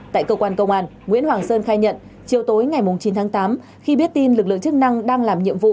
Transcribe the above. tại cơ quan công an nguyễn hoàng sơn khai nhận chiều tối ngày chín tháng tám khi biết tin lực lượng chức năng đang làm nhiệm vụ